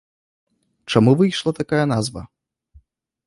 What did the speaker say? Чаму выйшла такая назва?